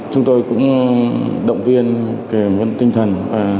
chúng tôi cũng động viên kể mất tinh thần